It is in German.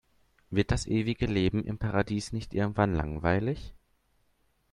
Wird das ewige Leben im Paradies nicht irgendwann langweilig?